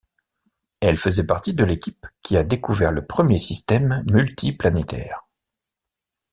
Elle faisait partie de l'équipe qui a découvert le premier système multiplanétaire.